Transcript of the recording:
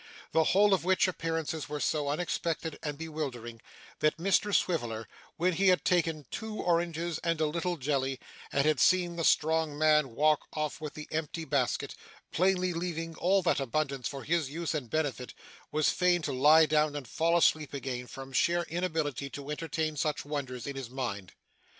The whole of which appearances were so unexpected and bewildering, that Mr Swiveller, when he had taken two oranges and a little jelly, and had seen the strong man walk off with the empty basket, plainly leaving all that abundance for his use and benefit, was fain to lie down and fall asleep again, from sheer inability to entertain such wonders in his mind.